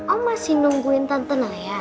om masih nungguin tanten lah ya